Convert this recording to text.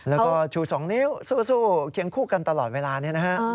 แล้วก็ชู๒นิ้วสู้เคียงคู่กันตลอดเวลานี้นะฮะ